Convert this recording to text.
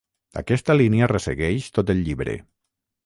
Aquesta línia ressegueix tot el llibre.